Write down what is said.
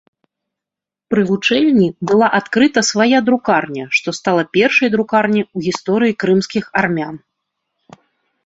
Пры вучэльні была адкрыта свая друкарня, што стала першай друкарняй у гісторыі крымскіх армян.